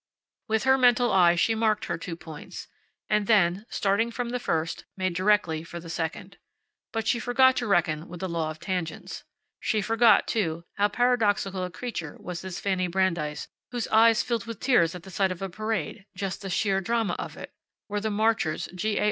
With her mental eye she marked her two points, and then, starting from the first, made directly for the second. But she forgot to reckon with the law of tangents. She forgot, too, how paradoxical a creature was this Fanny Brandeis whose eyes filled with tears at sight of a parade just the sheer drama of it were the marchers G. A.